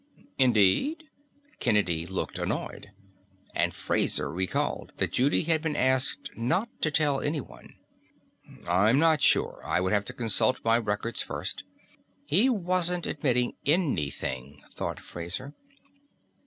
"Indeed?" Kennedy looked annoyed, and Fraser recalled that Judy had been asked not to tell anyone. "I'm not sure; I would have to consult my records first." He wasn't admitting anything, thought Fraser.